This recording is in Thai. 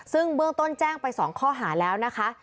ซึ่งเบื้องต้นแจ้งไป๒ข้อหาแล้วนะคะ